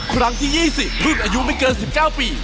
ครั้งที่๒๐รุ่นอายุไม่เกิน๑๙ปี